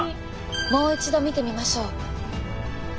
もう一度見てみましょう。